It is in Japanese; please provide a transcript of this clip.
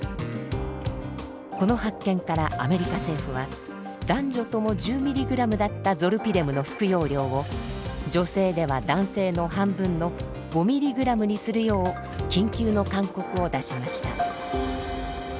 この発見からアメリカ政府は男女とも１０ｍｇだったゾルピデムの服用量を女性では男性の半分の５ｍｇにするよう緊急の勧告を出しました。